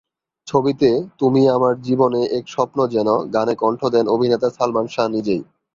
ছবিতে "তুমি আমার জীবনে এক স্বপ্ন যেন" গানে কণ্ঠ দেন অভিনেতা সালমান শাহ নিজেই।